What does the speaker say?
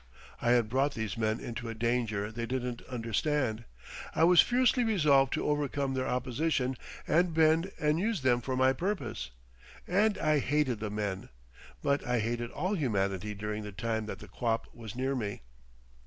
I had brought these men into a danger they didn't understand, I was fiercely resolved to overcome their opposition and bend and use them for my purpose, and I hated the men. But I hated all humanity during the time that the quap was near me.